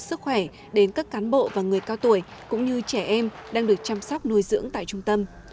sức khỏe đến các cán bộ và người cao tuổi cũng như trẻ em đang được chăm sóc nuôi dưỡng tại trung tâm